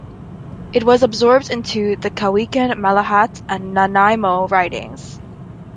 It was absorbed into the Cowichan-Malahat and Nanaimo ridings.